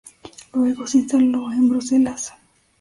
Luego, se instaló en Bruselas.